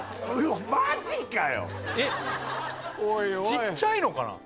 おいおいちっちゃいのかな？